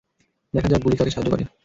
দেখা যাক, গুলি কাকে সাহায্য করে।